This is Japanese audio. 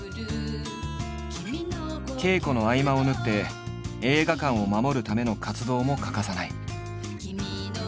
稽古の合間を縫って映画館を守るための活動も欠かさない。